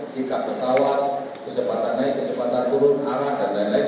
sikap pesawat kecepatan naik kecepatan turun arah dan lain lain